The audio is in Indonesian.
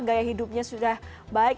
gaya hidupnya sudah baik